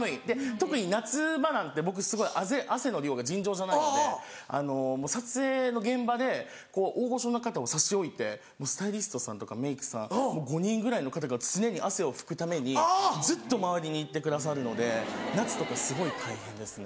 特に夏場なんて僕すごい汗の量が尋常じゃないので撮影の現場で大御所の方を差し置いてスタイリストさんとかメイクさん５人ぐらいの方が常に汗を拭くためにずっと周りにいてくださるので夏とかすごい大変ですね。